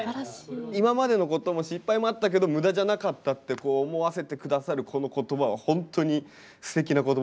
今までのことも失敗もあったけど無駄じゃなかったって思わせて下さるこの言葉は本当にすてきな言葉だと思います。